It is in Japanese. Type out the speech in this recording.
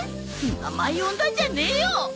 名前呼んだんじゃねえよ！